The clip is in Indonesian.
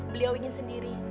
beliau ingin sendiri